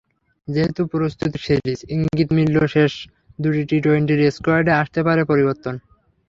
যেহেতু প্রস্তুতির সিরিজ, ইঙ্গিত মিলল শেষ দুটি টি-টোয়েন্টির স্কোয়াডে আসতে পারে পরিবর্তন।